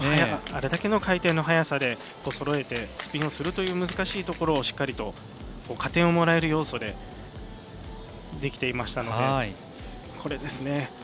あれだけの回転の速さでそろえてスピンをするという難しいところをしっかりと加点をもらえる要素でできていましたので。